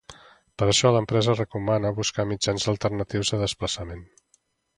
Per això, l’empresa recomana buscar mitjans alternatius de desplaçament.